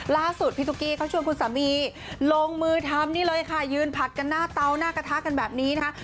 ล่าสุดพี่ตุ๊กกี้เขาชวนคุณสามีลงมือทำนี่เลยค่ะยืนผัดกันหน้าเตาหน้ากระทะกันแบบนี้นะคะ